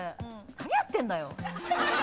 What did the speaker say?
何やってんだよ！